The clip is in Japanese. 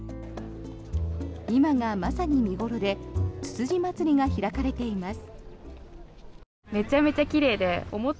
今がまさに見頃でつつじまつりが開かれています。